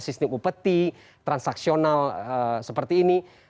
sistem upeti transaksional seperti ini